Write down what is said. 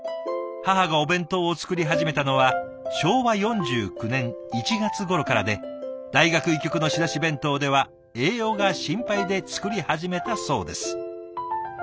母がお弁当を作り始めたのは昭和４９年１月頃からで大学医局の仕出し弁当では栄養が心配で作り始めたそうです。